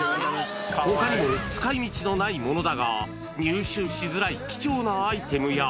ほかにも使いみちのないものだが、入手しづらい貴重なアイテムや。